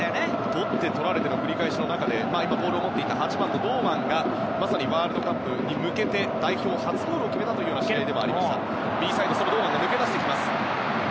とってとられての繰り返しの中で今、ボールを持っていた８番の堂安がまさにワールドカップに向けて代表初ゴールを決めた試合でもあります。